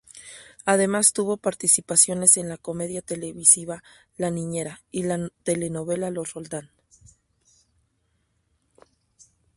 Además tuvo participaciones en la comedia televisiva "La niñera" y la telenovela "Los Roldán".